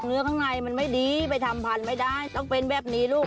ข้างในมันไม่ดีไปทำพันธุ์ไม่ได้ต้องเป็นแบบนี้ลูก